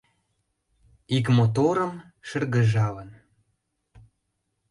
Ик моторым, шыргыжалын